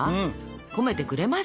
込めてくれますか？